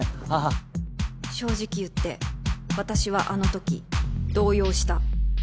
正直言って私はあのとき動揺した。